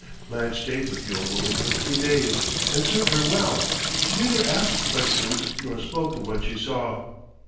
Blanche stayed with the old woman for three days and served her well; she neither asked questions nor spoke of what she saw.